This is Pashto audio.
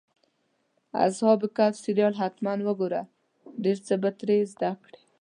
د اصحاب کهف سریال حتماً وګوره، ډېر څه به ترې زده کړې.